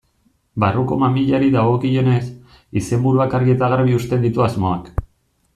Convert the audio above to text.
Barruko mamiari dagokionez, izenburuak argi eta garbi uzten ditu asmoak.